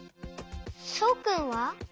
そうくんは？